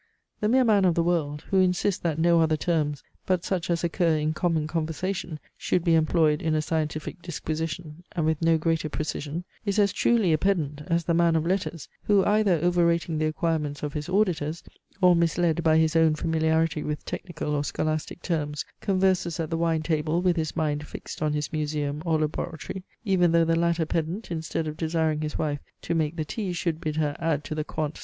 The mere man of the world, who insists that no other terms but such as occur in common conversation should be employed in a scientific disquisition, and with no greater precision, is as truly a pedant as the man of letters, who either over rating the acquirements of his auditors, or misled by his own familiarity with technical or scholastic terms, converses at the wine table with his mind fixed on his museum or laboratory; even though the latter pedant instead of desiring his wife to make the tea should bid her add to the quant.